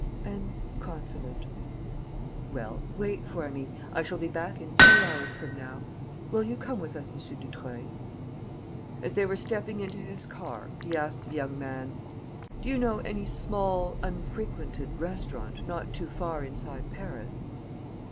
"And confident." "Well, wait for me. I shall be back in two hours from now. Will you come with us, M. Dutreuil?" As they were stepping into his car, he asked the young man: "Do you know any small, unfrequented restaurant, not too far inside Paris?"